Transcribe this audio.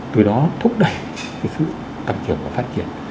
từ đó thúc đẩy cái sự tăng trưởng và phát triển